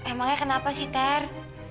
emangnya kenapa sih ter